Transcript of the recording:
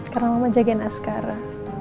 karena mama jaga naskara